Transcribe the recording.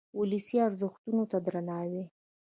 ولسي ارزښتونو ته درناوی.